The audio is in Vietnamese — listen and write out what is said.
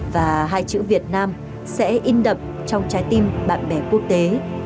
và hai chữ việt nam sẽ in đậm trong trái tim bạn bè quốc tế